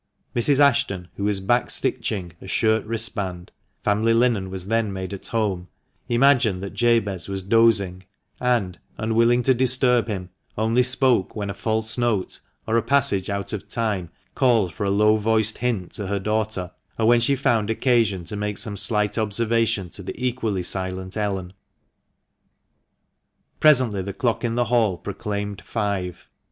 Mrs. Ashton, who was back stitching a shirt wristband (family linen was then made at home), imagined that Jabez was dozing, and, unwilling to disturb him, only spoke when a false note, or a passage out of time, called for a low voiced hint to her daughter, or when she found occasion to make some slight observation to the equally silent Ellen. Presently the clock in the hall proclaimed " five."